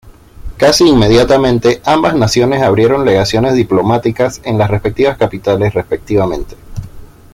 Casi inmediatamente, ambas naciones abrieron legaciones diplomáticas en las respectivas capitales, respectivamente.